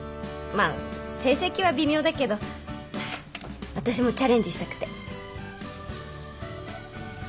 まあ成績は微妙だけど私もチャレンジしたくて。